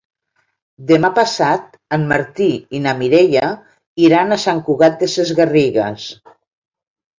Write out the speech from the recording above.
Demà passat en Martí i na Mireia iran a Sant Cugat Sesgarrigues.